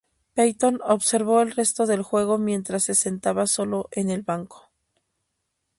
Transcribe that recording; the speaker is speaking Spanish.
Payton observó el resto del juego mientras se sentaba solo en el banco.